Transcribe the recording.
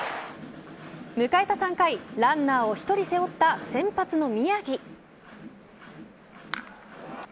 迎えた３回ランナー１人を背負った先発の宮城。